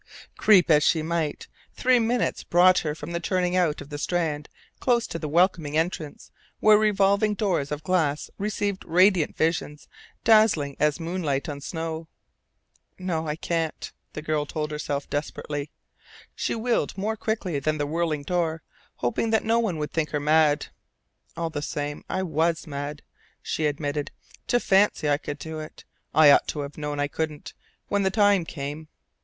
Creep as she might, three minutes' brought her from the turning out of the Strand close to the welcoming entrance where revolving doors of glass received radiant visions dazzling as moonlight on snow. "No, I can't!" the girl told herself, desperately. She wheeled more quickly than the whirling door, hoping that no one would think her mad. "All the same, I was mad," she admitted, "to fancy I could do it. I ought to have known I couldn't, when the time came.